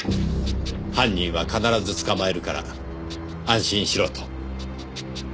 「犯人は必ず捕まえるから安心しろ」と。